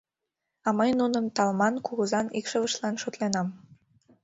А мый нуным Талман кугызан икшывыштлан шотленам.